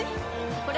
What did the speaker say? これ！